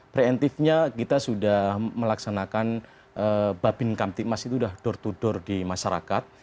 preemptifnya kita sudah melaksanakan babin kamtipmas itu sudah door to door di masyarakat